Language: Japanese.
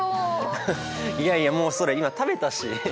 いやいやもうそれ今食べたし！